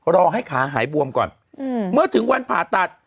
รอให้ขาหายบวมก่อนเมื่อถึงวันผ่าตัด